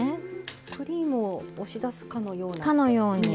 クリームを押し出すかのように。